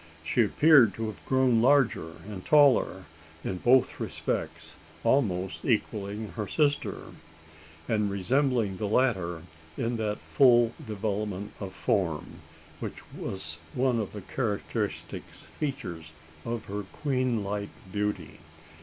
She appeared to have grown larger and taller in both respects, almost equalling her sister and resembling the latter in that full development of form, which was one of the characteristic features of her queen like beauty.